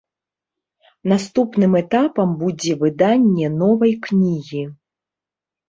Наступным этапам будзе выданне новай кнігі.